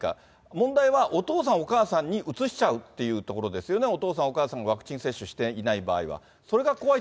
問題は、お父さん、お母さんにうつしちゃうっていうところですよね、お父さん、お母さんもワクチン接種していない場合は。